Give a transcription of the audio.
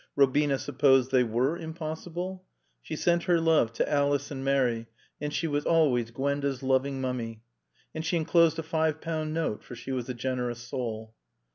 Robina supposed they were impossible? She sent her love to Alice and Mary, and she was always Gwenda's loving Mummy. And she enclosed a five pound note; for she was a generous soul.